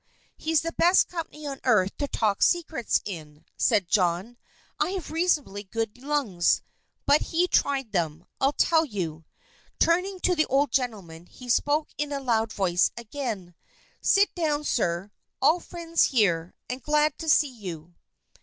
"He's the best company on earth to talk secrets in," said John. "I have reasonably good lungs, but he tried them, I'll tell you." Turning to the old gentleman, he spoke in a loud voice again, "Sit down, sir. All friends here, and glad to see you."